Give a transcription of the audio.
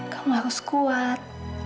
kamu harus kuat